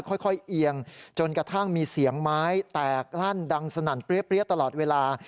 เอียงจนกระทั่งมีเสียงไม้แตกลั่นดังสนั่นเปรี้ยตลอดเวลา